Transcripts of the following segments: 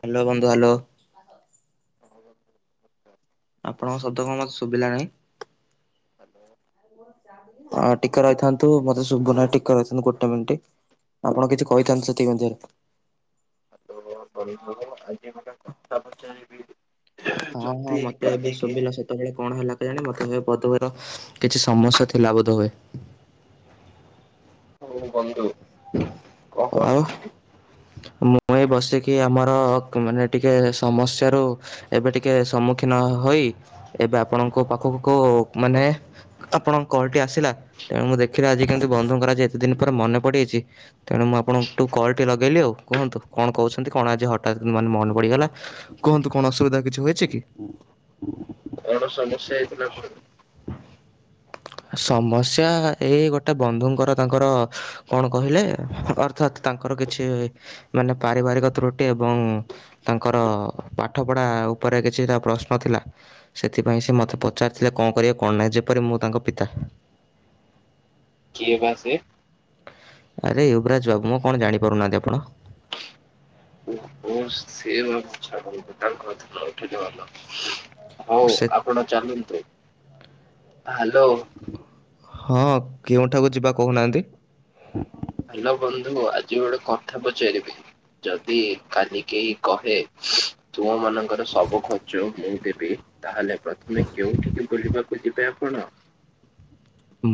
Hello ବନ୍ଧୁ hello. ଆପଣଙ୍କ ହଁ ଟିକେ ରହିଥାନ୍ତୁ, ମତେ ଶୁଭୁ ନାହିଁ ଟିକେ ରହି ଗୋଟେ ମିଣ୍ଟି ଆପଣ କିଛି କହିଥାନ୍ତୁ ସେତିକି ଅନୁସାରେ [unintelligible] ଆଜ୍ଞା ଗୋଟେ କଥା ପଚାରିବି? ହଁ ହଁ ଯଦି ମତେ କାଲି ଏବେ କେହି ଶୁଭିଲା ସେତେବେଳେ କଣ ହେଲା କେଜାଣି ମତେ ହୁଏ ବୋଧ ହୁଏତ କିଛି ସମସ୍ୟା ଥିଲା ବୋଧ ହୁଏ। ହଉ ବନ୍ଧୁ କଣ ଆଉ କରୁଚୁ? ମୁଁ ଏଇ ବସିକି ଆମର ମାନେ ଟିକେ ସମସ୍ୟାରୁ ଏବେ ଟିକେ ସମ୍ମୁଖୀନ ହୋଇ ଇ ଏବେ ଆପଣଙ୍କ ପାଖକୁ ମାନେ ଆପଣଙ୍କ କଲ୍ ଟି ଆସିଲା ତେଣୁ ମୁଁ ଦେଖିଲି ଆଜି କେନ୍ତୀ ବନ୍ଧୁଙ୍କର ଆଜି ଏତେ ଦିନ ପରେ ମନେ ପଡ଼ିଛି, ତେଣୁ ମୁଁ ଆପଣଙ୍କୁୁ କଲ୍ ଟି ଲଗେଇଲି ଆଉ। କୁହନ୍ତୁ? କଣ କହୁଛନ୍ତି କଣ ଆଜି ହଠାତ୍ କିନ୍ତୁ ମାନେ ମନେ ପଡିଗଲା। କୁହନ୍ତୁ କଣ ଅସୁବିଧା କିଛି ହୋଇଛି କି? କଣ ସମସ୍ୟା ହେଇଥିଲା ତ? ହ ସମସ୍ୟା ଏଇ ଗୋଟେ ବନ୍ଧୁଙ୍କର ତାଙ୍କର କଣ କହିଲେ ଅର୍ଥାତ୍ ତା ତାଙ୍କର କିଛି ମାନେ ପାରିବାରିକ ତ୍ରୁଟି ଏବଂ ତାଙ୍କର ପାଠପଢ଼ା ଉପରେ କିଛିଟା ପ୍ରଶ୍ନ ଥି ଲା। ସେଥିପାଇଁ ସେ ମୋତେ ପଚାରିଥିଲେ କଣ କରିବେ କଣ ନାହିଁ, ଯେପରି ମୁଁ ତାଙ୍କ ପିତା। କିଏ ବା ସିଏ? ଆରେ ୟୁବରାଜ ବାବୁ ମ, କଣ ଜାଣିପାରୁନାହାଁନ୍ତି ଆପଣ? [unintelligible] ହଉ ସେ ଆପଣ ଚାଲନ୍ତୁ ହ୍ୟାଲୋ। ହଁ କେଉଁଠାକୁ ଯିବା କହୁନାହାଁନ୍ତି? ହ୍ୟାଲୋ ବନ୍ଧୁ ଆଜି ଗୋଟେ କଥା ପଚାରିବି, ଯଦି କାଲି କେହି କହେ ତୁମ ମାନଙ୍କର ସବୁ ଖର୍ଚ୍ଚ ମୁଁ ଦେବି, ତାହଲେ ପ୍ରଥମେ କେଉଁଠିକି ବୁଲିବାକୁ ଯିବ ବେ ଆପଣ?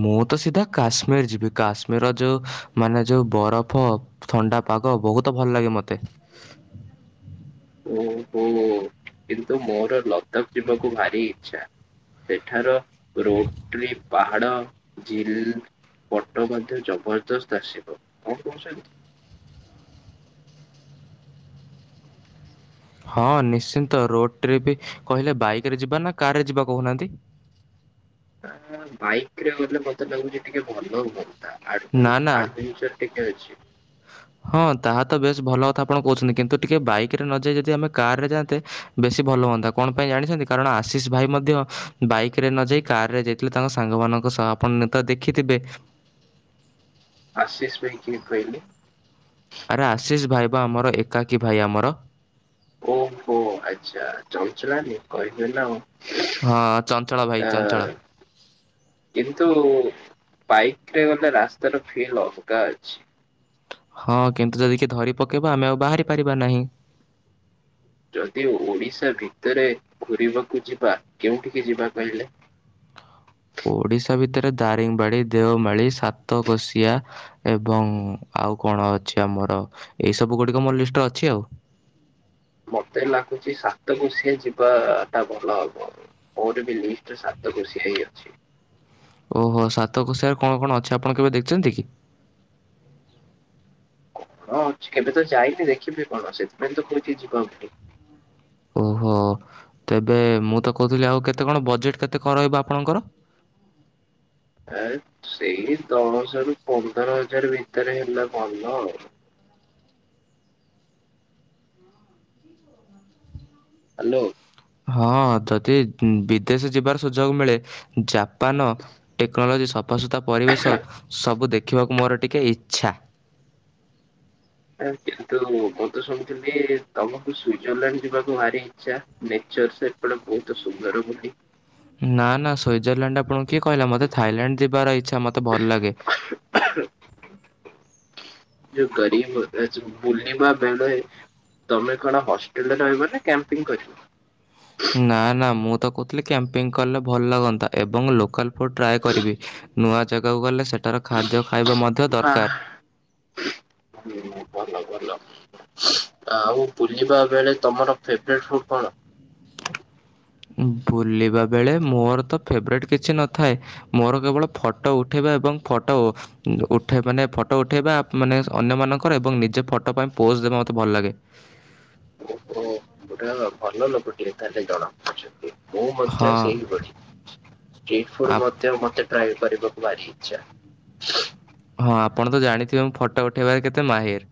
ମୁଁ ତ ସିଧା କାଶ୍ମୀର ଯିବି। କାଶ୍ମୀରର ଯୋଉ ମାନେ ଯୋଉ ବରଫ ଥଣ୍ଡା ତା ପାଗ ବହୁତ ଭଲ ଲାଗେ ମୋତେ। ଓହୋ କିନ୍ତୁ ମୋର ଲଦାକ୍ ଯିବାକୁ ଭାରି ଇଚ୍ଛା। ସେଠାର ରୋପ୍ ଟ୍ରି, ପାହାଡ, ଝିଲ୍ ପଟୋ ମଧ୍ୟ ଜବରଦସ୍ତ ଆସିବ। କଣ କହୁଛନ୍ତି? ହଁ ନିଶ୍ଚିନ୍ତ। ରୋଡ ଟ୍ରିପି କହିଲେ ବାଇକରେ ଯିବା ନା କାରରେ ଯିବା କହୁନାହାଁନ୍ତି? ବାଇକରେ ଗଲେ ମତେ ଲାଗୁଛି ଟିକେ ଭଲ ହୁଅ ନ୍ତା। ଆଡଭେ ନା ନା ଆଡଭେଞ୍ଚର ଟିକେ ଅଛି। ହଁ ତାହା ତ ବେଶ ଭଲ କଥା ଆପଣ କହୁଛନ୍ତି। କିନ୍ତୁ ଟିକେ ବାଇକ ରେ ନ ଯାଇ ଯଦି ଆମେ କାରେ ଯାଆନ୍ତେ ବେଶୀ ଭଲ ହୁଅନ୍ତା। କଣ ପାଇଁ ଜାଣିଛନ୍ତି କାରଣ ଆଶିଷ ଭାଇ ମଧ୍ୟ ବାଇକରେ ନ ଯାଇ କାରରେ ଯାଇଥିଲେ ତାଙ୍କ ସାଙ୍ଗମାନଙ୍କ ସହ ଆପଣ ତ ଦେଖିଥିବେ ଆଶିଷ ଭାଇ କିଏ କହିଲେ? ଆରେ ଆଶିଷ ଭାଇ ବା ଆମର ଏକାକୀ ଭାଇ ଆମର। ଓହୋ ଆଚ୍ଛା। ଚଞ୍ଚଳା ଟି କହିବେ ନା ଆଉ। ହଁ ଚଞ୍ଚଳା ଭାଇ ଆ ଚଞ୍ଚଳ। କିନ୍ତୁ ବାଇକରେ ଗଲେ ରାସ୍ତାର ଫିଲ୍ ଅଲଗା ଅଛି। ହଁ କିନ୍ତୁ ଯଦି କିଏ ଧରି ପକେଇବ ଆମେ ଆଉ ବାହାରି ପାରିବା ନାହିଁ। ଯଦି ଓଡିଶା ଭିତରେ ଘୂରିବାକୁ ଯିବା କେଉଁଠିକି ଯିବା କହିଲେ? ଓ ଓଡିଶା ଭିତରେ ଦାରିଙ୍ଗବାଡି ଦେଓମାଳି ସାତକୋଶିଆ ଏବଂ ଆଉ କଣ ଅଛି ଆମର ଏଇ ସବୁ ଗୁଡିକ ମୋ ଲିଷ୍ଟରେ ଅଛି ଆଉ। ହ ମତେ ଲାଗୁଛି ସାତକୋସିଆ ଯିବା ଟା ଭଲ ହବ ମୋର ବି ଲିଷ୍ଟରେ ସାତ ସାତକୋସିଆ ହେଇ ଅଛି। ଓହୋ ସାତ କୋସିିଆର କଣ କଣ ଅଛି ଆପଣ କେବେ ଦେଖିଛନ୍ତି କି? ହଁ ଅଛି କେବେ ତ ଯାଇନି ଦେଖିବି କଣ ସେଥିପାଇଁ ତ କହୁଛି ଯିବା ବୋଲି। ଓହୋ ତେବେ ମୁଁ ତ କହୁଥିଲି ଆଉ କେତେ କଣ ବଜେଟ କେତେ ରହିବ ଆପଣଙ୍କର? ଆ ସେଇ ଦଶ ରୁ ପନ୍ଦର ହଜାର ଭିତରେ ହେଲେ ଭଲ ଆଉ। ହ୍ୟାଲୋ। ହଁ ଯଦି ବିଦେଶ ଯିବାର ସୁଯୋଗ ମିଳେ ଜାପାନ ଟେକ୍ନୋଲୋଜି ସ ଅସୁତା ପରିବେଶ ସବୁ ଦେଖିବାକୁ ମୋର ଟିକେ ଇଚ୍ଛା। କିନ୍ତୁ ମୁଁ ତ ଶୁଣିୁଥିଲି ତମକୁ ସୁଜରଲ୍ୟାଣ୍ଡ ଯିବାକୁ ଭାରି ଇଚ୍ଛା। ଚର୍ଷ ଏପଟେ ବହୁତ ସୁନ୍ଦର ବୋଲି। ନା ନା ସୁଇଜରଲ୍ୟାଣ୍ଡ ଆପଣଙ୍କୁ କିଏ କହିଲା ମୋତେ ଥାଇଲାଣ୍ଡ ଯିବାର ଇଚ୍ଛା ମୋତେ ଭଲ ଲାଗେ। ଯେଉ ଗରିିବ ହୋତାହେ [unintelligible] ବା ବେଳେ ତମେ କଣ ହଷ୍ଟେଲରେ ରହିବ ନା କ୍ୟାମ୍ପିଙ୍ଗୀ କରିବ? ନା ନା ମୁଁ ତ କହୁଥିଲଥିଲେ କ୍ୟାମ୍ପିଙ୍ଗ କଲେ ଭଲ ହୁଅନ୍ତା ଏବଂ ଲୋକାଲ୍ ଫୁଡ଼୍ ଟ୍ରାଏ କରିବି ନୂଆ ଜାଗାକୁ ଗଲେ ସେ ତାର ଖାଦ୍ୟ। ଖାଇବା ମଧ୍ୟ ହଁ ଦରକାର। ଭଲ ଭଲ। ଆଉ ବୁଲିବା ବେଳେ ତମର ଫେବରଟ ଫୁଡ କଣ? ବୁଲିବା ବେଳେ ମୋରତ ଫେବେରଟ୍ କିଛି ନଥାଏ ମୋର କେବଳ ଫଟୋ ଉଠେଇବା ଏବଂ ଫଟୋ ଉଠ ମାନେ ଫଟୋ ଉଠେଇବା ମାନେ ଅନ୍ୟମାନଙ୍କର ଏବଂ ନିଜ ଫଟୋ ପାଇଁ ପୋ ପୋଜ ଦେବା ମତେ ଭଲ ଲାଗେ। ଓହୋ ପୁରା ଭଲ ଲୋକଟିଏ ତାହେଲେ ଜଣା ପଡଛନ୍ତି। ମୁଁ ହଁ, ମଧ୍ୟ ସେଇ ଭଳି ଷ୍ଟ୍ରିଟ୍ ଫୁଡ ଆପ୍ ମଧ୍ୟ ମତେ ପ୍ରୟ କରିବାକୁ ଭାରି ଇଚ୍ଛା। ହଁ ଆପଣ ତ ଜାଣିଥିବେ ମୁଁ ଫଟୋ ଉଠେଇବାରେ କେତେ ମାହିର।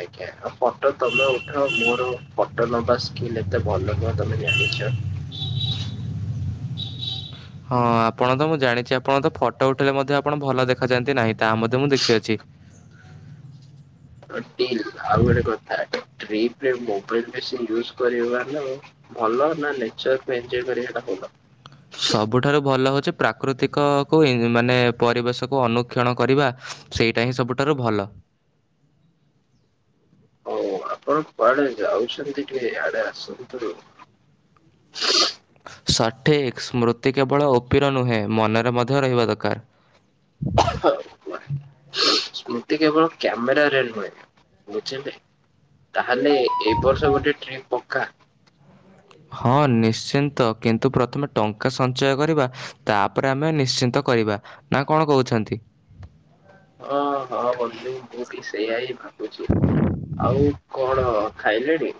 ଆଜ୍ଞା ଆଉ ଫଟୋ ତମେ ଉଠାଅ ମୋର ଫୋଟ ନବା ସ୍କିଲ ଏତେ ଭଲ ନୁହଁ ତମେ ଜାନିଚ। ହଁ ଆପଣତ ମୁଁ ଜାଣିଛି ଆପଣ ତ ଫଟୋ ଉଠେଇଲେ ମଧ୍ୟ ଆପଣ ଭଲ ଦେଖାଯାଆନ୍ତି ନାହିଁ ତାହା ମଧ୍ୟ ମୁଁ ଦେଖିଅଛି। ଟିଲ ଆଉ ଗୋଟେ କଥା। ଟ୍ରିପରେ ମୋବାଇଲ ବେଶୀ ୟୁଜ୍ କରିବାନ ଭଲ ନା ନେଚରକୁ ଏନଜଏ କରିବାଟା ଭଲ? ସବୁଠାରୁ ଭଲ ହେଉଛି ପ୍ରାକୃତିକ କୁ ହଉ। ଆପଣ କୁଆଡେ ଯାଉଛନ୍ତି ଟିକେ ଆଇଡେ ଆସନ୍ତୁ। ସଠିକ ସ୍ମୃତି କେବଳ ଓପିର ନୁହେଁ ମନରେ ମଧ୍ୟ ରହିବା ଦରକାର। ହଉ ଏମତି କେବଳ କ୍ୟାମେରାରେ ନୁହେଁ ବୁଝିଲେ? ତାହେଲେ ଏ ବର୍ଷ ଗୋଟେ ଟ୍ରିପ ପକା। ହଁ ନିଶ୍ଚିନ୍ତ କିନ୍ତୁ ପ୍ରଥମେ ଟଙ୍କା ସଞ୍ଚୟ କରିବା ତାପରେ ଆମେ ନିଶ୍ଚିନ୍ତ। କରିବା ନା କଣ କହୁଛନ୍ତି? ହଁ, ହଁ ବନ୍ଧୁ! ମୁଁ ବି ସେୟା ହି ଭାବୁଛି! ଆଉ କଣ ଖାଇଲେଣି?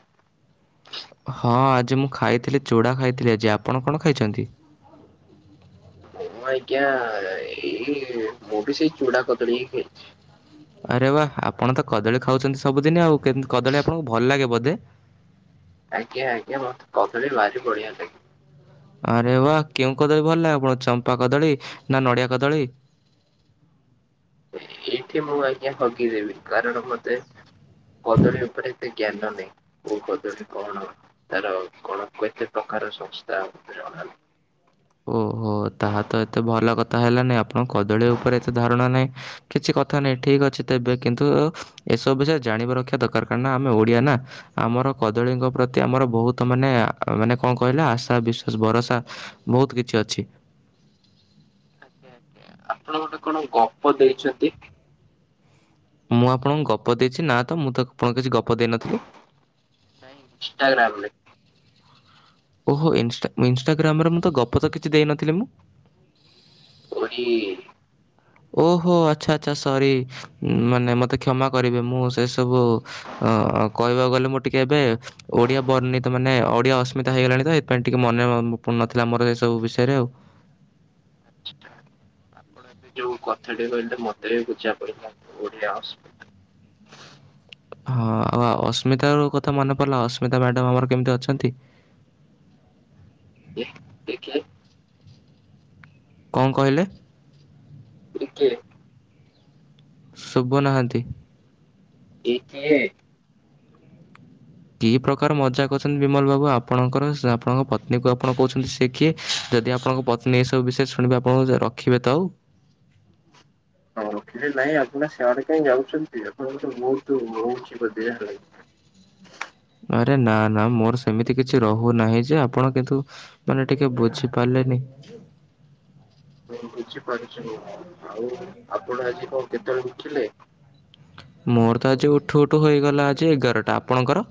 ହଁ ଆଜି, ମୁଁ ଖାଇଥିଲି ଚୂଡ଼ା ଖାଇଥିଲି ଆଜି। ଆପଣ କଣ ଖାଇଛନ୍ତି? ମୁଁ ଆଜ୍ଞା, ଏଇ ମୁଁ ବି ସେଇ ଚୂଡା କଦଳୀ ହିଁ ଖାଇଛି। ଆରେ ବାଃ ଆପଣ ତ କଦଳୀ ଖାଉଛନ୍ତି ସବୁଦିନ ଆଉ। କଦଳୀ ଆପଣଙ୍କୁ ଭଲ ଲାଗେ ବୋଧେ? ଆଜ୍ଞା ଆଜ୍ଞା, ମତେ କଦଳୀ ଭାରି ବଢିଆ ଲାଗେ। ଆରେ ବାଃ କେଉଁ କଦଳୀ ଭଲ ଲାଗେ ଆପଣ! ଚମ୍ପା କଦଳୀ ନା ନଡିଆ କଦଳୀ? [inaudible] ଏଇଠି ମୁଁ ଆଜ୍ଞା ହଗିଦେବି। କାରଣ ମତେ କଦଳୀ ଉପରେ ଏତେ ଜ୍ଞାନ ନେଇଁ। କୋ ପଦରେ କଣ? ତାର କଣ କେତେ ପ୍ରକାର ସଂସ୍ଥା ଜଣା ନାଇଁ। ହ ଓହୋ! ତାହା ତ ଏତେ ଭଲ କଥା ହେଲାନି, ଆପଣଙ୍କ କଦଳୀ ଉପରେ ଏତେ ଧାରଣା ନାହିଁ। କିଛି କଥା ନାଇଁ। ଠିକ୍ ଅଛି, ତବେ କିନ୍ତୁ ଏସବୁ ବିଷୟରେ ଜାଣିବା ରଖିବା ଦରକାର। କାରଣ ଆମେ ଓଡିଆ ନା! ଆମର କଦଳୀଙ୍କ ପ୍ରତି, ଆମର ବହୁତ ମାନେ ମାନେ କଣ କହିଲେ, ଆଶା ବିଶ୍ଵାସ ଭରସା ବହୁତ କିଛି ଅଛି। ଆପଣ ଗୋଟେ କଣ ଗପ ଦେଇଛନ୍ତି? ମୁଁ, ଆପଣଙ୍କୁ ଗପ ଦେଇଛି ନା ତ! ମୁଁ ତ ଆପଣଙ୍କୁ କିଛି ଗପ ଦେଇନଥିଲି? ଇଷ୍ଟାଗ୍ରାାମ ରେ। ଓହୋା ଇନ୍ଷ୍ଟା ଇନଷ୍ଟାଗ୍ରାମରେ ମୁଁ ତ ଗପ ତ କିଛି ଦେଇନଥିଲି ମୁଁ? ଓଡି-ଇ-ଇ ଓହୋ! ଆଛା ଆଛା ସରି, ମାନେ ମତେ କ୍ଷମା କରିବେ! ମୁଁ ସେ ସବୁ ଅ କହିବାକୁ ଗଲେ, ମୁଁ ଟିକେ ଏବେ ଓଡିଆ ବର୍ଣିତ ମାନେ ଓଡିଆ ଅସ୍ମିତା ହେଇଗଲାଣି ତ, ସେଥିପାଇଁ ଟିକେ ମନେ ପୁ ନଥିଲା ମୋର ଏ ସବୁ ବିଷୟରେ ଆଉ। ଆଛ୍କା। ଆପଣ ଏବେ ଯୋଉ କଥା ଟେ କହିଲେ, ମତେ ବି ବୁଝା ପଡିଲା ଓଡିଆ ଅସ୍ମିତା। [inaudible] ହଁ, ଆଉ ଅସ୍ମିତା ର କଥା ମନେ ପଲା ଅସ୍ମିତା ମ୍ୟାଡମ୍ ଆମର କେମିତି ଅଛନ୍ତି? କିଏ ଦେଖିଲୁ। କଁ କହିଲେ? ଟିକେ। ଶୁଭୁ ନାହାଁନ୍ତି। ଏ କିଏ? କି ପ୍ରକାର ମଜା କରୁଛନ୍ତି ବିମଲ ବାବୁ! ଆପଣଙ୍କର, ଆପଣଙ୍କ ପତ୍ନୀ କୁ ଆପଣ କହୁଛନ୍ତି, ସେ କିଏ? ଯଦି ଆପଣଙ୍କ ପତ୍ନୀ ଏ ସବୁ ବିଷୟରେ ଶୁଣିବେ, ଆପଣଙ୍କୁ ରଖିବେ ତ ଆଉ! ହଁ ରଖିଲେ ନାହିଁ ଆପଣ ସେଆଡେ କାହିଁ ଯାଉଛନ୍ତି? ଆପଣଙ୍କ ତ ବହୁତ ରହୁଛିି ବ [unintelligible] ହ ଆରେ ନା ନା ମୋର ସେମିତି କିଛି ରହୁନାହିଁ। ଯେ ଆପଣ କିନ୍ତୁ, ମାନେ ଟିକେ ବୁଝିପାରିଲେନି! ହଁ ମୁଁ, ବୁଝିପାରୁଛି ମୁଁ, ଆଉ ଆପଣ ଆଜି କଣ କେତେବେଳେ ଉଠିଲେ? ମୋର ତ ଆଜି ଉଠୁ ଉଠୁ ହୋଇଗଲା ଆଜି ଏଗାରଟା। ଆପଣଙ୍କର?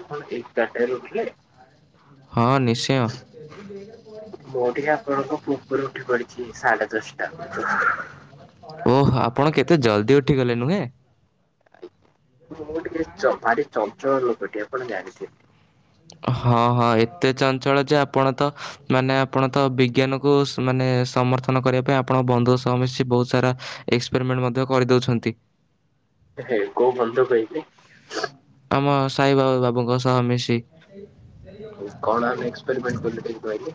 ଆପଣ ଏଗାରଟାରେ ଉଠିଲେ? ହଁ ନିଶ୍ଚୟ। ମୁଁ ଟିକେ ଆପଣଙ୍କ ପୂର୍ବରୁ ଉଠି ପଡିଛି। ସାଢେ ଚେଷ୍ଟା କୁ ଓହୋ! ଆପଣ କେତେ ଜଲ୍ଦି ଉଠିଗଲେ ନୁହେଁ? ଆଇ! ମୁଁ ଟିକେ ଭାରି ଚଞ୍ଚଳ ଲୋକଟି, ଆପଣ ଜାଣିଥିବେ। ହଁ, ହଁ ଏତେ ଚଞ୍ଚଳ ଯେ ଆପଣ ତ, ମାନେ ଆପଣ ତ ବିଜ୍ଞାନକୁ ସୁ ମାନେ ସମର୍ଥନ କରିବା ପାଇଁ ଆପଣ ବନ୍ଧୁ ସହ ମିଶି ବହୁତ ସାରା, ଏକ୍ସପେରିମେଣ୍ଟ ମଧ୍ୟ କରିଦଉଛନ୍ତି। ହେ, କୋଉ ବନ୍ଧୁ କହିଲେ? ଆମ ସାଇବା ବା ବାବୁଙ୍କ ସହ ମିଶି କଣ ଆମେ ଏକ୍ସପେରିମେଣ୍ଟ କଲୁ ଟିକେ କହିଲେ?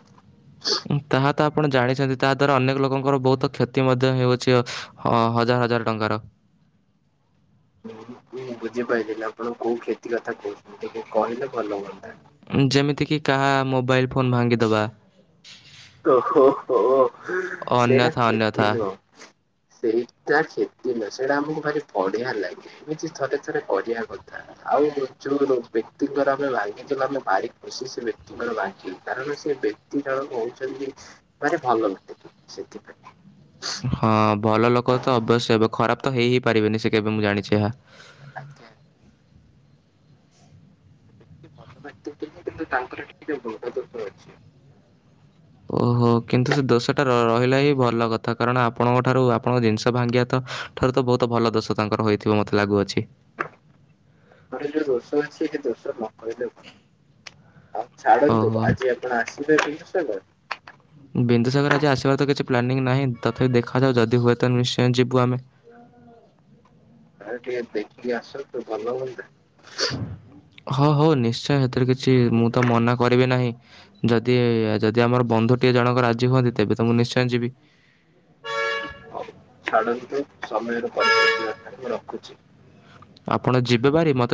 ତାହା ତ ଆ ଆପଣ ଜାଣିଛନ୍ତି ତା ଦ୍ଵାରା ଅନେକ ଲୋକଙ୍କର ବହୁତ କ୍ଷତି ମଧ୍ୟ ହେଉଅଛି ହ ହଜାର ହଜାର ଟଙ୍କାର। ହଁ ମୁଁ ବୁଝିପାଇଲିନି ଆପଣ କୋଉ କ୍ଷତି କଥା କହୁଛନ୍ତି ଟିକେ କହିଲେ ଭଲ ହୁଅନ୍ତା। ଯେମିତିକି କାହା ମୋବାଇଲ ଫୋନ୍ ଭାଙ୍ଗିଦବା ଓହୋ ହୋ ସେଇଟା ଅନ୍ୟଥା କ୍ଷେତି ଅନ୍ୟଥା ନୁହଁ। ସେଇଟା କ୍ଷତି ନୁହଁ ସେଇଟା ଆମକୁ ଭାରି ବଢିଆ ଲାଗେ ଏମିତି ଥରେ ଥରେ କରିବା କଥା। ଆଉ ଯୋଉ ବ୍ୟକ୍ତିଙ୍କର ଆମେ ଭାଙ୍ଗିଥିଲୁ ଆମେ ଭାରି ଖୁସି ସେ ବ୍ୟକ୍ତିଙ୍କର ଭାଙ୍ଗିବୁ କାରଣ ସେ ବ୍ୟକ୍ତି ଜଣକ ହହୁଛନ୍ତି ମାନେ ଭଲ ବ୍ୟକ୍ତି ଟିଏ ସେଥିପାଇଁ। ହଁ ଭଲ ଲୋକ ତ ଅବଶ୍ୟ ହେବେ ଖରାପ ତ ହେଇ ହି ପାରିବେନି ସେ କେବେ ମୁଁ ଜାଣିଛି ଏହା ଆଜ୍ଞା। ସେ ବ୍ୟକ୍ତି ଭଲ ବ୍ୟକ୍ତି ଥିଲେ କିନ୍ତୁ ତାଙ୍କର ଟିକେ [unintelligible] ଦୋଷ ଅଛି। ହ ହ କିନ୍ତୁ ସେ ଦୋଷଟା ର ରହିଲେ ହିଁ ଭଲ କଥା କାରଣ ଆପଣଙ୍କ ଠାରୁ ଆପଣଙ୍କ ଜିନିଷ ଭାଙ୍ଗିବା ତ ଠାରୁ ତ ଭ ବହୁତ ଭଲ ଦୋଷ ତାଙ୍କର ହୋଇଥଥିବା ମୋତେ ଲାଗୁଅଛି। [unintelligible] ଜୋଉ ଦୋଷ ଅଛି ସେ ଦୋଷର ନକିଲେ ଭଲ। ଆଉ ଛାଡ଼ନ୍ତୁ ଓହୋ ଆଜି ଆପଣ ଆସିବେ ବିନ୍ଦୁ ସାଗର? ବିନ୍ଦୁସାଗର ଆଜି ଆସିବାର ତ କିଛି ପ୍ଲାନିଂ ନାହିଁ ତଥାପି ଦେଖାଯାଉ ଯଦି ହୁଏ ତାହେଲେ ନିଶ୍ଚୟ ଯିବୁ ଆମେ। ଆରେ ଟିକେ ଦେଖିକି ଆସନ୍ତୁ ଭଲ ହୁଅନ୍ତା। ହଁ ହଉ ନିଶ୍ଚୟ ସେଥିରେ କିଛି ମୁଁ ତ ମନା କରିବି ନାହିଁ ଯଦି ଯଦି ଆମର ବ ବନ୍ଧୁ ଟିଏ ଜଣକ ରାଜି ହୁଅନ୍ତି ତେବେ ତ ମୁଁ ନିଶ୍ଚୟ ଯିବି। ହଉ। ଛାଡ଼ନ୍ତୁ ସମୟର ପରିସମାପ୍ତି ଆଧାରେ ମୁଁ ରଖୁଚି। ଆପଣ ଯିବେ ଭାରି ମତେ